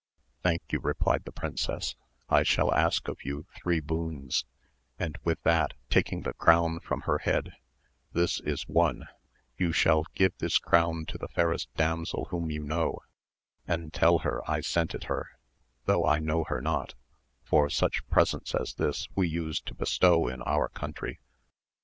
Thank you, replied the princess, I shall ask of you three boons, and with that taking the crown from her head, — this is one ; you shall give this crown to the fairest damsel whom you know, and tell her I sent it her, though I know her not, for such presents as this we used to bestow in our country.